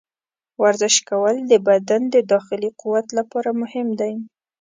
ورزش کول د بدن د داخلي قوت لپاره مهم دي.